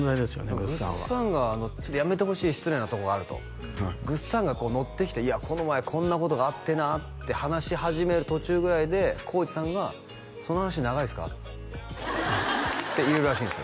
ぐっさんはぐっさんがちょっとやめてほしい失礼なとこがあるとぐっさんがノッてきて「この前こんなことがあってな」って話し始める途中ぐらいで耕史さんが「その話長いですか？」って言うらしいんですよ